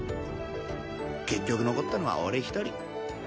結局残ったのは俺１人。